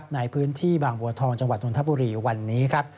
ในพื้นที่บางบัวทองจังหวัดนทบุรีวันนี้ครับ